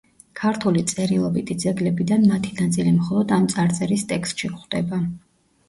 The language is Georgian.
ქართული წერილობითი ძეგლებიდან მათი ნაწილი მხოლოდ ამ წარწერის ტექსტში გვხვდება.